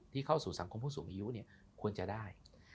เข้าสู่สังคมผู้สูงอายุเนี่ยควรจะได้